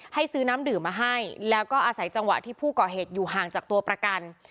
ให้ซื้อน้ำดื่มมาให้แล้วก็อาศัยจังหวะที่ผู้ก่อเหตุอยู่ห่างจากตัวประกัน